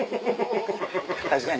確かに。